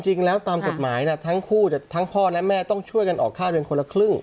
จริงแล้วตามกฎหมายทั้งคู่ทั้งพ่อและแม่ต้องช่วยกันออกค่าเดือนคนละครึ่ง